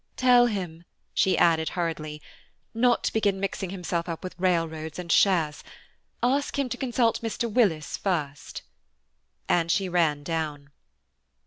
"Tell him," she added hurriedly, "not to begin mixing himself up with railroads and shares; ask him to consult Mr. Willis first," and she ran down.